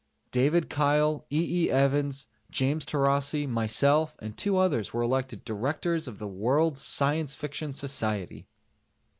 David Kyle, E. E. Evans, James Taurasi, myself and 2 others were elected Directors of the World Science Fiction Society.